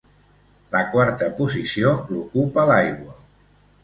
La quarta posició l'ocupa l'aigua.